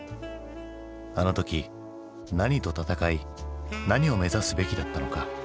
あの時何と闘い何を目指すべきだったのか？